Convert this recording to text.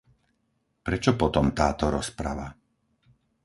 Prečo potom táto rozprava?